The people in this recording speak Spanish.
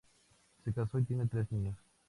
Se casó y tiene tres niños.